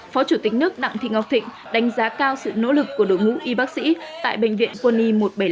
phó chủ tịch nước đặng thị ngọc thịnh đánh giá cao sự nỗ lực của đội ngũ y bác sĩ tại bệnh viện quân y một trăm bảy mươi năm